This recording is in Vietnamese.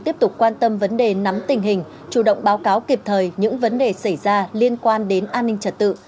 tiếp tục quan tâm vấn đề nắm tình hình chủ động báo cáo kịp thời những vấn đề xảy ra liên quan đến an ninh trật tự